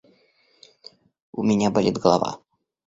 У меня болит голова.